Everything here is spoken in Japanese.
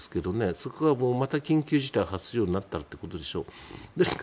そこがまた緊急事態を発するようになったらということでしょうか。